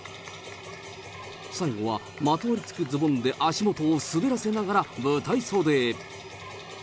最後はまとわりつくズボンで足元を滑らせながら舞台袖へ。